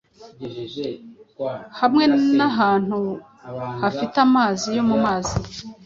hamwe n’ahantu hafite amazi yo mu mazi